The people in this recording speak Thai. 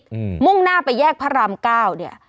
มุ่งหน้าไปแยกพระรามเก้าเนี้ย